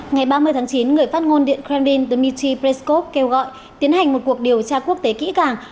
ngày ba mươi tháng chín người phát ngôn điện kremlin dmitry peskov kêu gọi tiến hành một cuộc điều tra quốc tế kỹ càng